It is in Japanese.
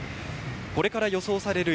これから予想される